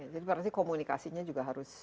jadi komunikasinya juga harus